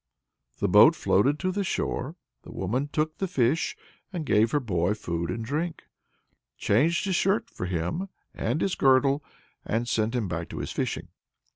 The boat floated to the shore: the woman took the fish, gave her boy food and drink, changed his shirt for him and his girdle, and sent him back to his fishing.